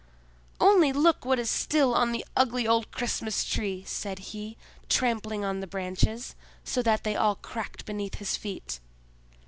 "Only look what is still on the ugly old Christmas tree!" said he, trampling on the branches, so that they all cracked beneath his feet.